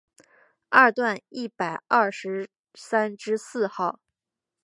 二段一百二十三之四号